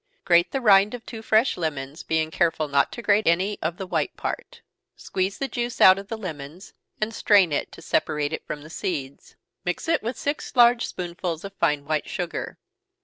_ Grate the rind of two fresh lemons, being careful not to grate any off the white part. Squeeze the juice out of the lemons, and strain it, to separate it from the seeds. Mix it with six large spoonsful of fine white sugar.